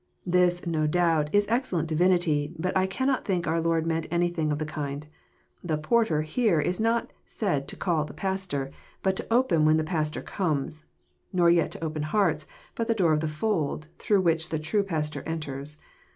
This, no doubt, is excellent divinity, but I cannot think our Lord meant anything of the kind. The *« porter here Is not said to call the pastor, but to open when the pastor comes; nor yet to open hearts, but the door of the fold, through which the true pastor enters.